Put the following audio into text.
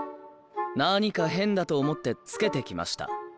何か変だと思ってつけてきました。